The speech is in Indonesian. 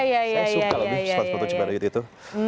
saya suka lebih sepatu cibaduyut itu